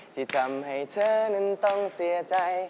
ที่ทำให้เธอนั้นต้องเสียใจ